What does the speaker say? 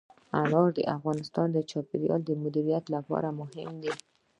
انار د افغانستان د چاپیریال د مدیریت لپاره مهم دي.